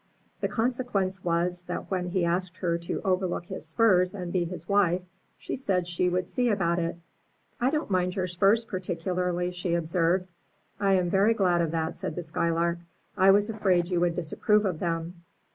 The consequence was, that when he asked her to overlook his spurs and be his wife, she said she would see about it. '1 don't mind your spurs particularly,*' she observed. *'I am very glad of that,*' said the Skylark. *'I was afraid you would disapprove of them."